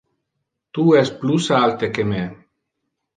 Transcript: Tu es plus alte que me.